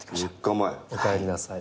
おかえりなさい。